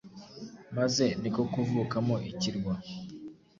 maze niko kuvukamo ikirwa